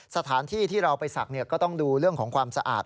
สถานที่ที่เราไปศักดิ์ก็ต้องดูเรื่องของความสะอาด